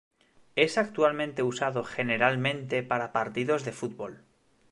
Es actualmente usado generalmente para partidos de fútbol.